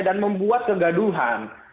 dan membuat kegaduhan